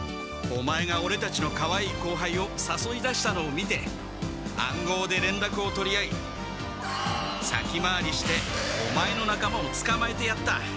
オマエがオレたちのかわいい後輩をさそい出したのを見て暗号でれんらくを取り合い先回りしてオマエのなかまをつかまえてやった！